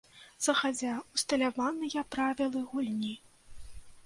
Загадзя ўсталяваныя правілы гульні.